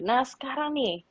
nah sekarang nih